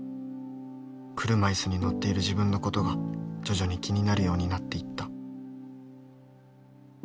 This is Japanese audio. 車いすに乗っている自分のことが徐々に気になるようになっていった。